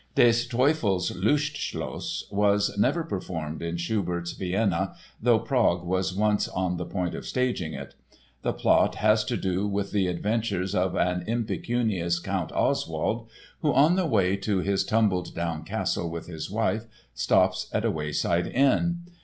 Des Teufels Lustschloss was never performed in Schubert's Vienna, though Prague was once on the point of staging it. The plot has to do with the adventures of an impecunious Count Oswald who, on the way to his tumbled down castle with his wife, stops at a wayside inn.